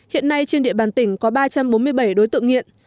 hiện nay trên địa bàn tỉnh có ba trăm bốn mươi bảy đối tượng nghiện